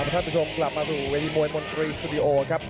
ท่านผู้ชมกลับมาสู่เวทีมวยมนตรีสตูดิโอครับ